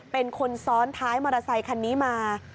เป็นคนซ้อนท้ายมอเตอร์ไซคันนี้มา